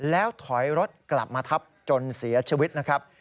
แล้วถอยรถกลับมาทับจนเสียชีวิตนะครับ